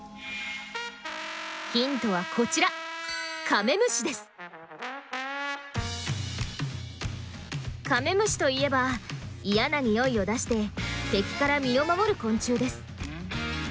ヒントはこちらカメムシといえば嫌なにおいを出して敵から身を守る昆虫です。